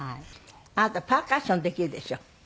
あなたパーカッションできるでしょ？